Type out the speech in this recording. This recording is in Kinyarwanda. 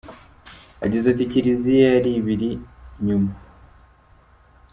Yagize ati “Kiliziya yari ibiri inyuma.